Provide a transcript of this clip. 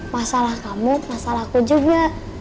masalah kamu masalah aku juga